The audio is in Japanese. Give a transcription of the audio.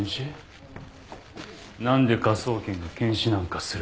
なんで科捜研が検視なんかする？